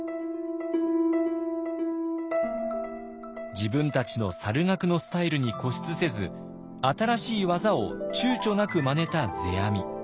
自分たちの猿楽のスタイルに固執せず新しい技をちゅうちょなくまねた世阿弥。